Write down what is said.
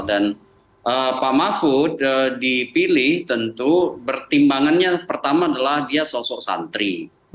dan pak mahfud dipilih tentu bertimbangannya pertama adalah dia sosok santri